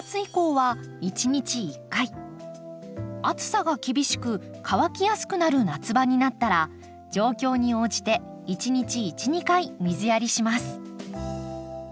暑さが厳しく乾きやすくなる夏場になったら状況に応じて１日１２回水やりします。